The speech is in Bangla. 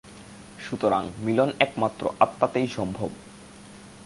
সুতরাং মিলন একমাত্র আত্মাতেই সম্ভব।